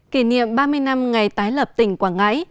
kỷ niệm ba mươi năm ngày tái lập tỉnh quảng ngãi